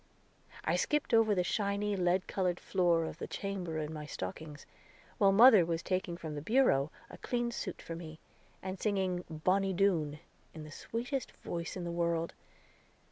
I skipped over the shiny, lead colored floor of the chamber in my stockings, while mother was taking from the bureau a clean suit for me, and singing "Bonny Doon," with the sweetest voice in the world.